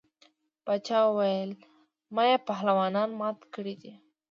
باچا ویل ما یې پهلوانان مات کړي دي.